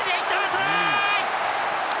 トライ！